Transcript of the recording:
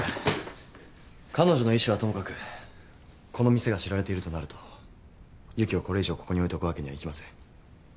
彼女の意思はともかくこの店が知られているとなると由岐をこれ以上ここに置いとくわけにはいきません。